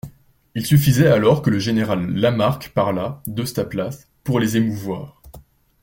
Il suffisait alors que le général Lamarque parlât, de sa place, pour les émouvoir.